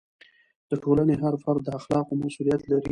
د ټولنې هر فرد د اخلاقو مسؤلیت لري.